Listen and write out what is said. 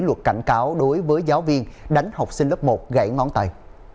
luật cảnh cáo đối với giáo viên đánh học sinh lớp một gãy ngón tay